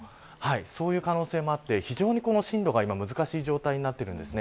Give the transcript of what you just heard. そういう可能性もあって非常にこの進路が今、難しい状態になっています。